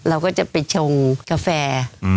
เราก็จะไปชงกาแฟ